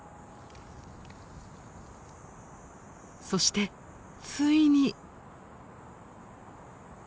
そしてついに。